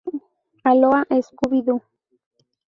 Aloha, Scooby-Doo!